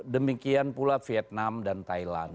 demikian pula vietnam dan thailand